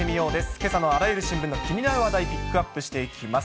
けさのあらゆる新聞の気になる話題、ピックアップしていきます。